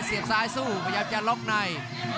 เสียบซ้ายสู้พยายามจะล็อกใน